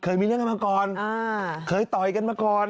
เคยมีเรื่องกันมาก่อนเคยต่อยกันมาก่อน